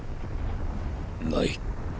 ない。